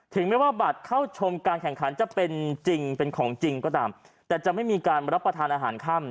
ไม่ว่าบัตรเข้าชมการแข่งขันจะเป็นจริงเป็นของจริงก็ตามแต่จะไม่มีการรับประทานอาหารค่ำ